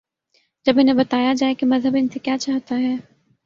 جب انہیں بتایا جائے کہ مذہب ان سے کیا چاہتا ہے۔